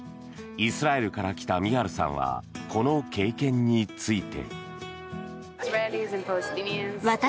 イスラエルから来たミハルさんはこの経験について。